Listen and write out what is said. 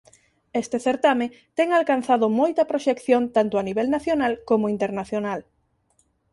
Este certame ten alcanzado moita proxección tanto a nivel nacional como internacional.